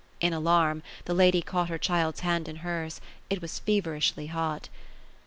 In alarm, the lady caught her child's hand in her's ; it was feverishly hot.